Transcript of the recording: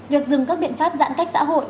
việc dừng các biện pháp giãn cách xã hội